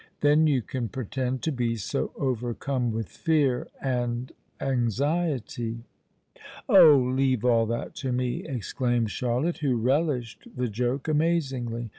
Then you can pretend to be so overcome with fear and anxiety——" "Oh! leave all that to me!" exclaimed Charlotte, who relished the joke amazingly.